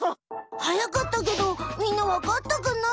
速かったけどみんなわかったかな？